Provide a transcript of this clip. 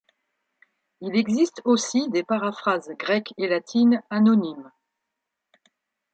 Il existe aussi des paraphrases grecque et latine anonymes.